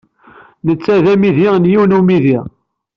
Netta d amidi n yiwen n umidi.